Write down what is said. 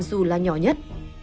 dù là nhỏ nhất